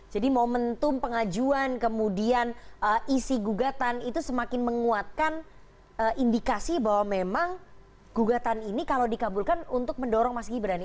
jadi momentum pengajuan kemudian isi gugatan itu semakin menguatkan indikasi bahwa memang gugatan ini kalau dikabulkan untuk mendorong mas gibran